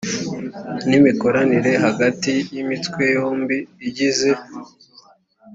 n imikoranire hagati y imitwe yombi igize